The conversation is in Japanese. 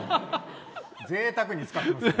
ぜいたくに使ってますね。